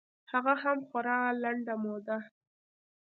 هغه هم خورا لنډه موده.